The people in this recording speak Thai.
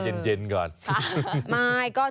เย็นก่อน